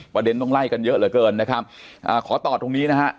ต้องไล่กันเยอะเหลือเกินนะครับอ่าขอตอบตรงนี้นะฮะ